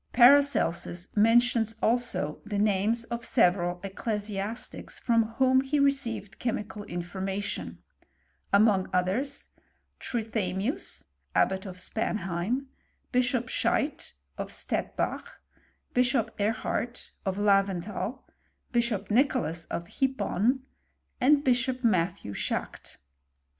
Paracelsus mentions also the names 0^ several ecclesiastics from whom he received chemi <^al information ; among others, Trith^lmius, abbot of Spanheim; Bishop Scheit, of Stettbach; Bishop Erhart, of Laventall ; Bishop Nicolas, of Hippon ; and Bishop Matthew Schacht.